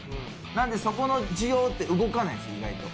なんでそこの需要って動かないんですよ、意外と。